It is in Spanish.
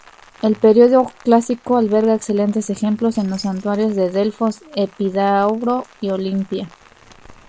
El período clásico alberga excelentes ejemplos en los santuarios de Delfos, Epidauro y Olimpia.